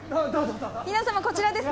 皆様こちらです。